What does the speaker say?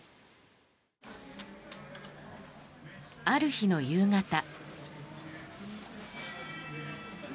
ある日の夕方。